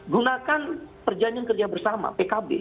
gunakan perjanjian kerja bersama pkb